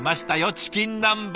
チキン南蛮。